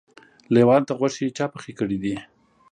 لېوانو ته غوښې چا پخې کړي دي؟